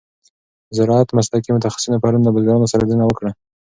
د زراعت مسلکي متخصصینو پرون له بزګرانو سره لیدنه وکړه.